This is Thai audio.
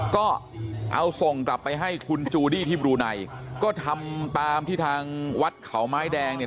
ก็เอาส่งกลับไปให้คุณจูดี้ที่บรูไนก็ทำตามที่ทางวัดเขาไม้แดงเนี่ย